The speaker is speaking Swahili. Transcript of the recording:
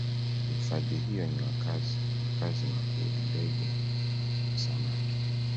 hifadhi hiyo ni makazi makuu ya ndege na samaki